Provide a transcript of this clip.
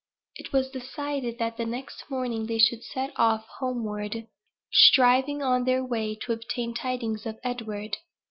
It was decided that the next morning they should set off homeward, striving on their way to obtain tidings of Edward.